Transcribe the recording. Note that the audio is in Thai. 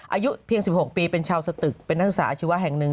อายุเพียง๑๖ปีเป็นชาวสตึกเป็นนักศึกษาอาชีวะแห่งหนึ่ง